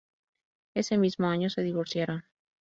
Ese mismo año se divorciaron.